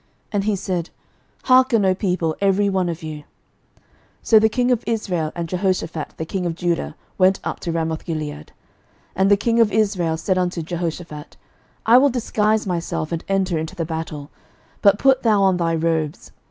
And he said, Hearken, O people, every one of you. 11:022:029 So the king of Israel and Jehoshaphat the king of Judah went up to Ramothgilead. 11:022:030 And the king of Israel said unto Jehoshaphat, I will disguise myself, and enter into the battle; but put thou on thy robes.